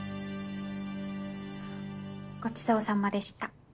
ごちそうさまでした。